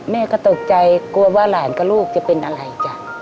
แม่ก็ตกใจกลัวว่าหลานกับลูกจะเป็นอะไรจ้ะ